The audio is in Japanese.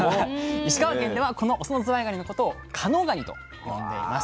石川県ではこのオスのずわいがにのことを「加能がに」と呼んでいます。